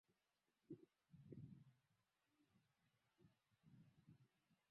kwa vitu hivyo vitatu lazima viwe linked na hivyo vinahitaji technologia